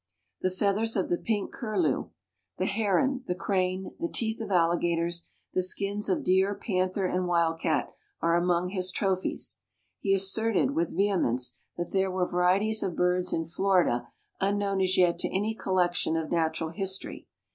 The feathers of the pink curlew, the heron, the crane, the teeth of alligators, the skins of deer, panther, and wild cat, are among his trophies. He asserted with vehemence that there were varieties of birds in Florida unknown as yet to any collection of natural history.